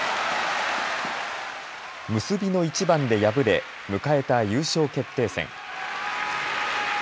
結びの一番で敗れ迎えた優勝決定戦。